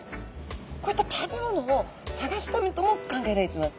こういった食べ物を探すためとも考えられてます。